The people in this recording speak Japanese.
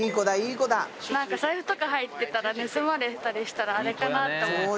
なんか財布とか入ってたら盗まれたりしたらあれかなと思って。